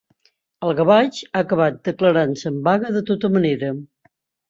El gavatx ha acabat declarant-se en vaga de tota manera.